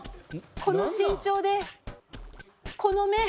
この身長でこの目。